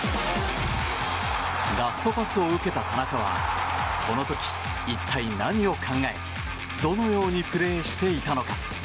ラストパスを受けた田中はこの時、一体何を考えどのようにプレーしていたのか。